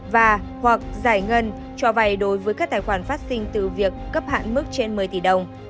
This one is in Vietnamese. và hoặc giải ngân cho vay đối với các tài khoản phát sinh từ việc cấp hạn mức trên một mươi tỷ đồng